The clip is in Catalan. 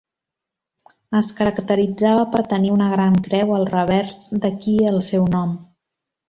Es caracteritzava per tenir una gran creu al revers, d'aquí el seu nom.